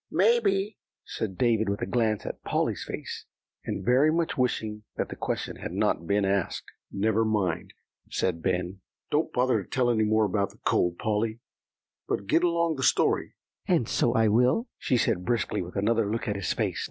"Maybe," said David, with a glance at Polly's face, and very much wishing that the question had not been asked. "Never mind," said Ben; "don't bother to tell any more about the cold, Polly, but get along to the story." "And so I will," she said briskly, with another look at his face.